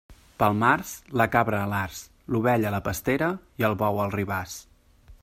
Pel març, la cabra a l'arç, l'ovella a la pastera i el bou al ribàs.